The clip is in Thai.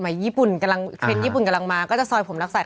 สมัยญี่ปุ่นกำลังเคล็นต์ญี่ปุ่นกำลังมาก็จะซอยผมลากไซส์